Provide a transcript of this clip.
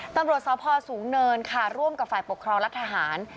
ตำรวจสพสูงเนินค่ะร่วมกับฝ่ายปกครองและทหาร